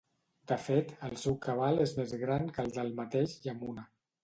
De fet, el seu cabal és més gran que el del mateix Yamuna.